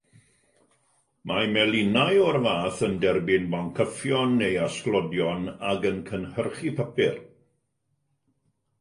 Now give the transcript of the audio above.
Mae melinau o'r fath yn derbyn boncyffion neu asglodion ac yn cynhyrchu papur.